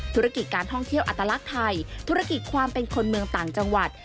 ธุรกิจการท่องเที่ยวอัตลักษณ์ไทยธุรกิจความเป็นคนเมืองต่างจังหวัด